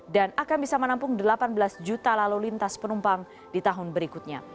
dan akan bisa menampung delapan belas juta lalu lintas penumpang di tahun berikutnya